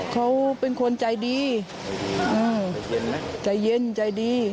เขาเป็นคนใจดีใจเย็นไหมใจเย็นใจดี